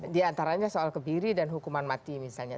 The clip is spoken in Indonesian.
di antaranya soal kebiri dan hukuman mati misalnya